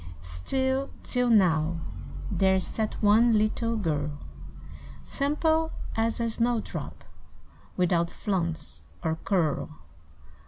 Still, till now, there sat one Little girl; Simple as a snow drop, Without flounce or curl.